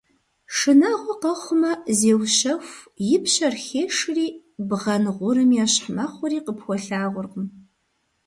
Шынагъуэ къэхъумэ, зеущэху, и пщэр хешри бгъэн гъурым ещхь мэхъури, къыпхуэлъагъуркъым.